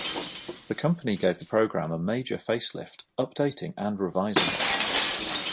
The company gave the program a major face-lift, updating and revising it.